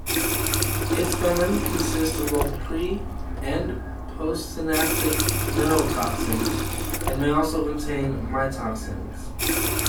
Its venom consists of both pre- and postsynaptic neurotoxins, and may also contain myotoxins.